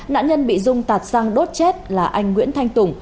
nạn nhân bị dung tạt sang đốt chết là anh nguyễn thanh tùng